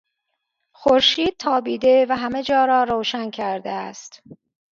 خورشید تابیده و همه جا را روشن کرده است.